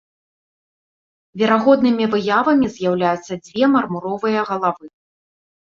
Верагоднымі выявамі з'яўляюцца дзве мармуровыя галавы.